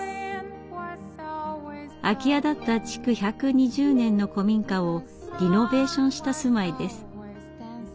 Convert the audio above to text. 空き家だった築１２０年の古民家をリノベーションした住まいです。